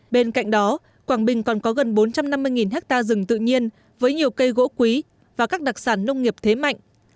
bên cạnh đó quảng bình còn có gần bốn trăm năm mươi ha rừng tự nhiên với nhiều cây gỗ quý và các đặc sản nông nghiệp thế mạnh